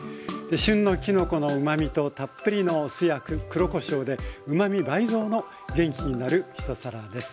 旬のきのこのうまみとたっぷりのお酢や黒こしょうでうまみ倍増の元気になる一皿です。